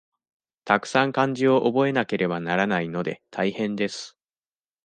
たくさん漢字を覚えなければならないので、大変です。